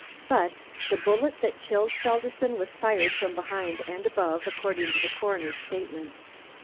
But the bullet that killed Felderson was fired from behind and above, according to the coroner's statement.